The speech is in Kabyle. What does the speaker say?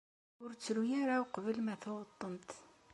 Ur ttru ara uqbel ma tuɣeḍ-tent.